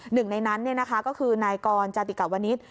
หนึ่งในนั้นก็คือนายกรจาติกวนิษฐ์